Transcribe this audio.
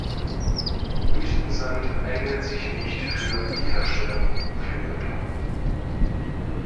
Wüstensand eignet sich nicht für die Herstellung für Beton.